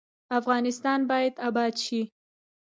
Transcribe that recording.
افغانستان باید اباد شي